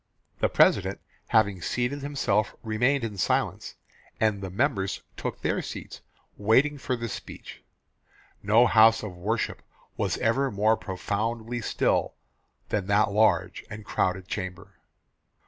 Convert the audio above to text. "The President having seated himself remained in silence, and the members took their seats, waiting for the speech. No house of worship was ever more profoundly still than that large and crowded chamber.